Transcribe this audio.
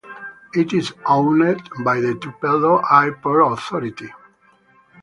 It is owned by the Tupelo Airport Authority.